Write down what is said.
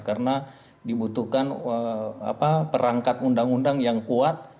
karena dibutuhkan perangkat undang undang yang kuat